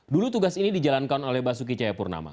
dulu tugas ini dijalankan oleh basuki cahayapurnama